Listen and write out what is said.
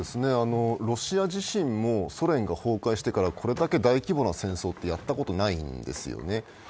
ロシア自身もソ連が崩壊してから、これだけ大規模な戦争ってやったことないんですよね。